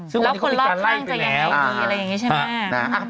แล้วคนรอบข้างจะยังไงดีอะไรอย่างนี้ใช่ไหม